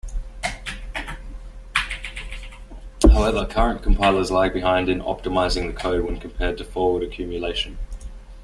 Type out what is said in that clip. However, current compilers lag behind in optimizing the code when compared to forward accumulation.